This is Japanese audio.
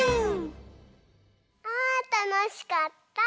あたのしかった！